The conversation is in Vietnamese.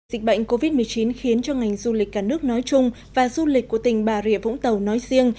dịch bệnh covid một mươi chín khiến cho ngành du lịch cả nước nói chung và du lịch của tỉnh bà rịa vũng tàu nói riêng